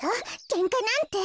けんかなんて。